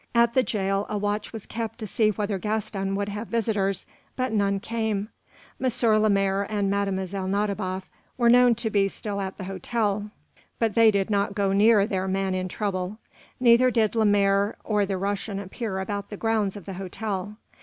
At the jail a watch was kept to see whether Gaston would have visitors, but none came. M. Lemaire and Mlle. Nadiboff were known to be still at the hotel, but they did not go near their man in trouble. Neither did Lemaire or the Russian appear about the grounds of the hotel.